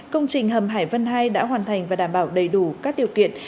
công trình hầm hải văn ii đã hoàn thành và đảm bảo đầy đủ các điều kiện